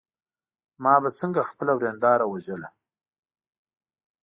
ما به څنګه خپله ورېنداره وژله.